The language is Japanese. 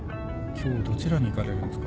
今日どちらに行かれるんですか？